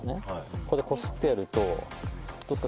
ここで、こすってやるとどうですか？